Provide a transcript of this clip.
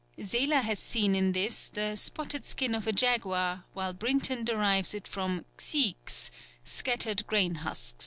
_ Seler has seen in this the "spotted skin of a jaguar," while Brinton derives it from xiix, "scattered grain husks."